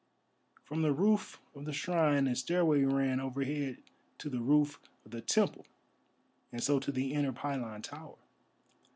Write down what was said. From the roof of the shrine a stairway ran overhead to the roof of the temple and so to the inner pylon tower.